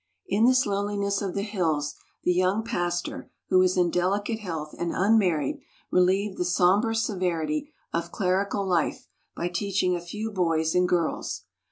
In this loneliness of the hills the young pastor, who was in delicate health and unmarried, relieved the sombre severity of clerical life by teaching a few boys and girls.